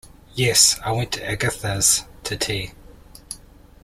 Yes; I went to Agatha’s to tea.